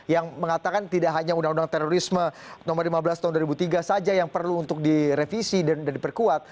yang mengatakan tidak hanya undang undang terorisme nomor lima belas tahun dua ribu tiga saja yang perlu untuk direvisi dan diperkuat